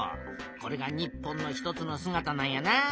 これが日本の一つのすがたなんやな。